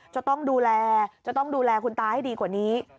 จะต้องดูแลจะต้องดูแลคุณตาให้ดีกว่านี้